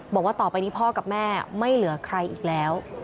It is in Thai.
บอกว่าต่อไปนี้พ่อกับแม่ไม่เหลือใครอีกแล้ว